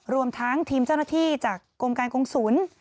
รวมทั้งทีมเจ้าหน้าที่จากกรมการกงศูนย์